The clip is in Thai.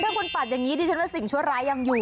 ถ้าคุณปัดอย่างนี้ดิฉันว่าสิ่งชั่วร้ายยังอยู่